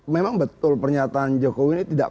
memang betul pernyataan jokowi ini tidak